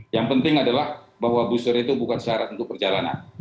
yang penting adalah bahwa booster itu bukan syarat untuk perjalanan